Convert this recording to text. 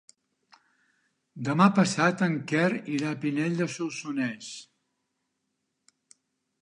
Demà passat en Quer irà a Pinell de Solsonès.